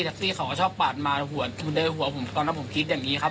ซี่เขาก็ชอบปาดมาหัวโดยหัวผมตอนนั้นผมคิดอย่างนี้ครับ